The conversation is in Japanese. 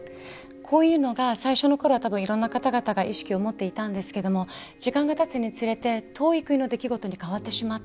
こういうのが最初の頃は多分いろんな方々が意識を持っていたんですけども時間がたつにつれて遠い国の出来事に変わってしまった。